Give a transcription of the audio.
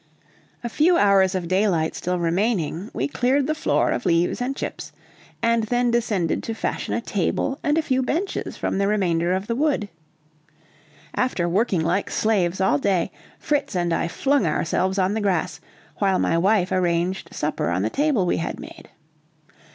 A few hours of daylight still remaining, we cleared the floor of leaves and chips, and then descended to fashion a table and a few benches from the remainder of the wood. After working like slaves all day, Fritz and I flung ourselves on the grass, while my wife arranged supper on the table we had made.